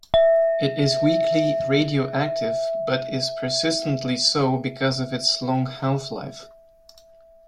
It is weakly radioactive but is 'persistently' so because of its long half-life.